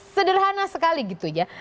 sederhana sekali gitu ya